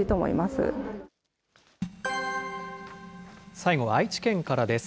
最後は愛知県からです。